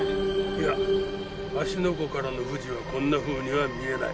いや芦ノ湖からの富士はこんなふうには見えない。